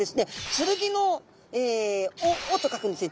「剣」の「尾」と書くんですね。